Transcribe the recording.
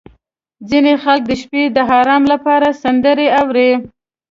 • ځینې خلک د شپې د ارام لپاره سندرې اوري.